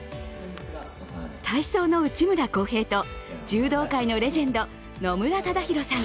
体操の内村航平と柔道界のレジェンド、野村忠宏さん